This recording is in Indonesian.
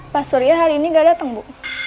pas surya hari ini nggak dateng bu